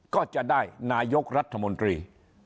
ก็จะได้นายกรัฐมนตรี